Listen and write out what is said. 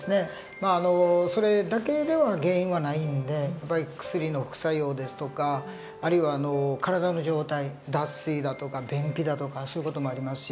まあそれだけでは原因はないんでやっぱり薬の副作用ですとかあるいは体の状態脱水だとか便秘だとかそういう事もありますし。